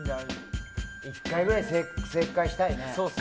１回ぐらい正解したいね。